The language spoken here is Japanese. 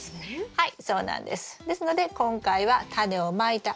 はい。